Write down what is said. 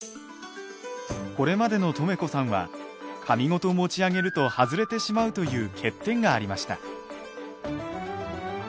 これまでのとめこさんは紙ごと持ち上げると外れてしまうという欠点がありました。